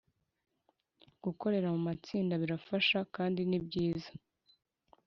– Gukorera mu matsinda birafasha kandi ni byiza